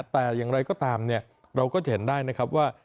แต่อย่างไรก็ตามเราก็จะเห็นได้ว่า